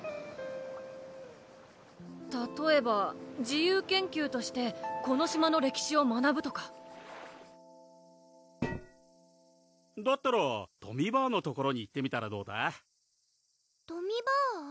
たとえば自由研究としてこの島の歴史を学ぶとかだったらとみ婆の所に行ってみたらどうだ？とみ婆？